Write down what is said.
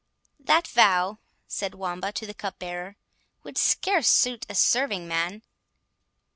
"That vow," said Wamba to the cupbearer, "would scarce suit a serving man."